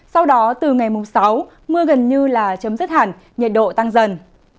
sau đó từ ngày mùng sáu mưa gần như là chấm dứt hẳn nhiệt độ tăng dần